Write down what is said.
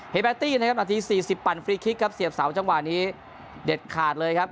เฮยแบตตี้นะครับหน้าที่สี่สิบปันฟรีคิกครับเสียบเสาจังหวานนี้เด็ดขาดเลยครับ